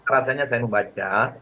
rasanya saya membaca